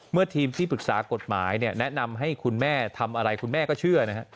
ทีมที่ปรึกษากฎหมายเนี่ยแนะนำให้คุณแม่ทำอะไรคุณแม่ก็เชื่อนะฮะ